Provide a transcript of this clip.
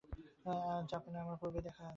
Japan আমার পূর্বেই দেখা আছে।